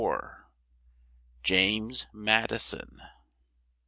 ] JAMES MAD I SON.